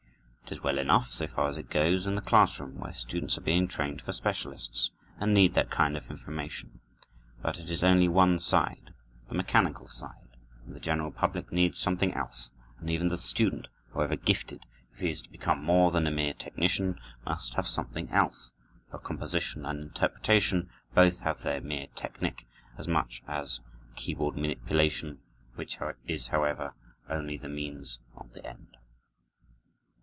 It is well enough, so far as it goes, in the classroom, where students are being trained for specialists, and need that kind of information; but it is only one side,—the mechanical side,—and the general public needs something else; and even the student, however gifted, if he is to become more than a mere technician, must have something else; for composition and interpretation both have their mere technic, as much as keyboard manipulation, which is, however, only the means, not the end.